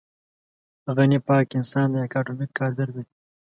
غني پاک انسان دی اکاډمیک کادر دی.